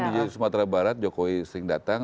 di sumatera barat jokowi sering datang